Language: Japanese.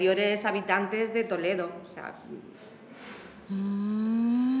ふん。